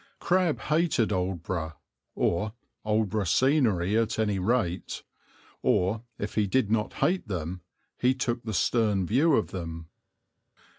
Crabbe hated Aldeburgh, or Aldeburgh scenery at any rate; or, if he did not hate them, he took the stern view of them.